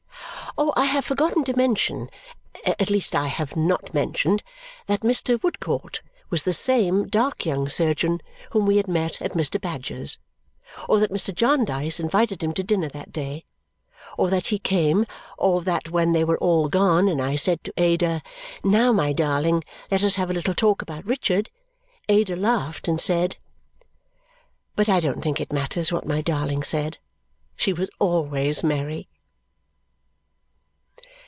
I have forgotten to mention at least I have not mentioned that Mr. Woodcourt was the same dark young surgeon whom we had met at Mr. Badger's. Or that Mr. Jarndyce invited him to dinner that day. Or that he came. Or that when they were all gone and I said to Ada, "Now, my darling, let us have a little talk about Richard!" Ada laughed and said But I don't think it matters what my darling said. She was always merry.